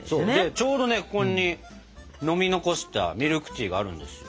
ちょうどここに飲み残したミルクティーがあるんですよ。